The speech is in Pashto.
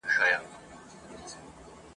د شته من مړی یې تل غوښتی له خدایه !.